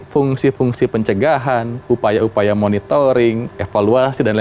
fungsi fungsi pencegahan upaya upaya monitoring evaluasi dll